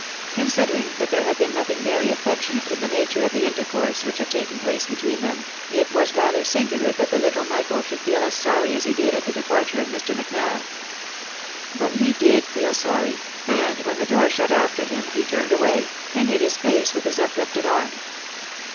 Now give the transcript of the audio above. Considering that there had been nothing very affectionate in the nature of the intercourse which had taken place between them, it was rather singular that the little Michael should feel as sorry as he did at the departure of Mr. Macnab. But he did feel sorry, and when the door shut after him, he turned away, and hid his face with his uplifted arm.